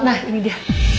nah ini dia